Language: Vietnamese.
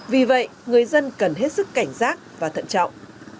vì vậy người dân cần hết sức cảnh giác và thận trọng